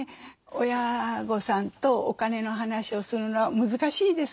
親御さんとお金の話をするのは難しいですね。